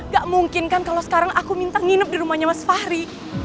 gak mungkin kan kalau sekarang aku minta nginep di rumahnya mas fahri